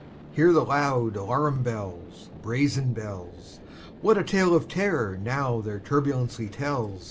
Hear the loud alarum bells, Brazen bells! What a tale of terror, now, their turbulency tells!